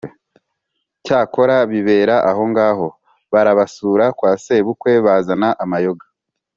cyakora bibera ahongaho barabasura, kwa sebukwe bazana amayoga.